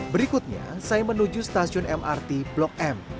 berikutnya saya menuju stasiun mrt blok m